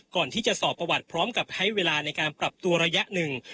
ก่อนที่จะสอบประวัติพร้อมกับให้เวลาในการปรับตัวระยะหนึ่ง